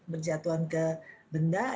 berjatuhan ke benda